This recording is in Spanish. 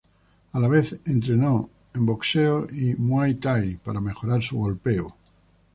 A la vez, entrenó en boxeo y muay thai para mejorar su golpeo.